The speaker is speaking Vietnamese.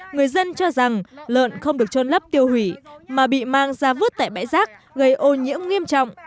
người dân cho rằng lợn không được trôn lấp tiêu hủy mà bị mang ra vứt tại bãi rác gây ô nhiễm nghiêm trọng